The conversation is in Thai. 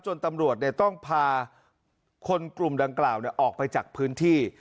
ตำรวจต้องพาคนกลุ่มดังกล่าวออกไปจากพื้นที่